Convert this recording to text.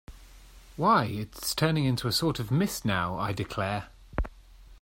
Why, it’s turning into a sort of mist now, I declare!